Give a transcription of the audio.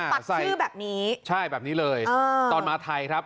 ปักชื่อแบบนี้ใช่แบบนี้เลยตอนมาไทยครับ